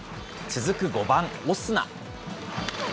続く５番オスナ。